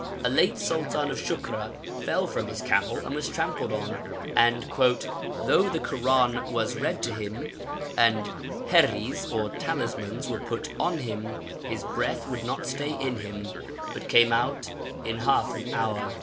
A late sultan of Shukra fell from his camel and was trampled on, and 'though the Koran was read to him, and herris or talismans were put on him, his breath would not stay in him, but came out in half an hour.'